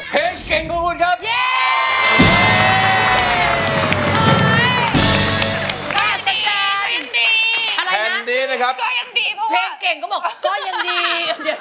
เพลงเก่งก็บอกเข้าสึกยันท์อย่างดี